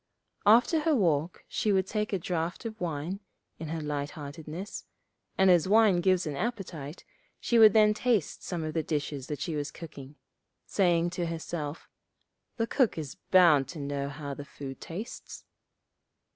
After her walk she would take a draught of wine, in her light heartedness; and as wine gives an appetite, she would then taste some of the dishes that she was cooking, saying to herself, 'The cook is bound to know how the food tastes.'